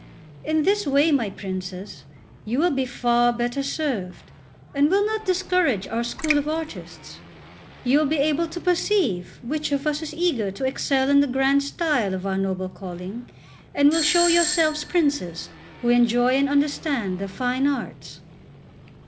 In this way, my princes, you will be far better served, and will not discourage our school of artists; you will be able to perceive which of us is eager to excel in the grand style of our noble calling, and will show yourselves princes who enjoy and understand the fine arts."